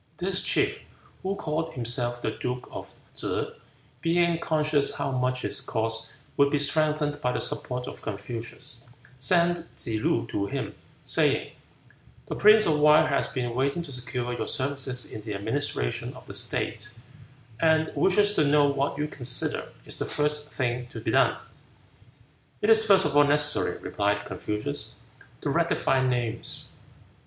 This chief, who called himself the duke Chuh, being conscious how much his cause would be strengthened by the support of Confucius, sent Tsze loo to him, saying, "The Prince of Wei has been waiting to secure your services in the administration of the state, and wishes to know what you consider is the first thing to be done." "It is first of all necessary," replied Confucius, "to rectify names."